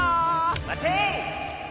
・まて！